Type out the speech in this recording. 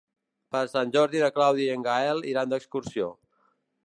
Per Sant Jordi na Clàudia i en Gaël iran d'excursió.